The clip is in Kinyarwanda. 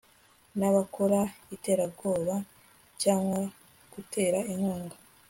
n abakora iterabwoba cyangwa gutera inkunga